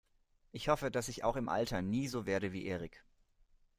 Ich hoffe, dass ich auch im Alter nie so werde wie Erik.